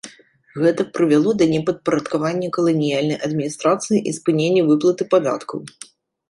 Гэта прывяло да непадпарадкавання каланіяльнай адміністрацыі і спынення выплаты падаткаў.